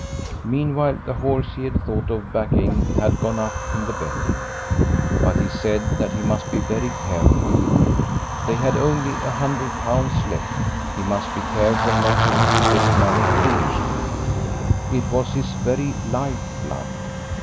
Meanwhile the horse he had thought of backing had gone up in the betting. But he said that he must be very careful. They had only a hundred pounds left; he must be careful not to risk this money foolishly it was his very life blood.